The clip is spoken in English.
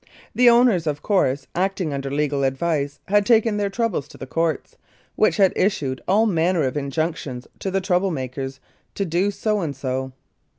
The owners, of course, acting under legal advice, had taken their troubles to the courts, which had issued all manner of injunctions to the trouble makers to do so and so.